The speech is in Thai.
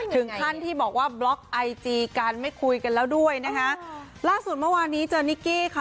ถึงขั้นที่บอกว่าบล็อกไอจีกันไม่คุยกันแล้วด้วยนะคะล่าสุดเมื่อวานนี้เจอนิกกี้ค่ะ